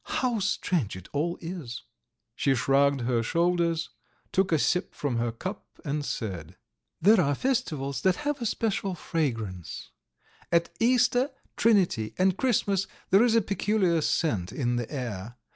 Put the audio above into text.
How strange it all is." She shrugged her shoulders, took a sip from her cup, and said: "There are festivals that have a special fragrance: at Easter, Trinity and Christmas there is a peculiar scent in the air.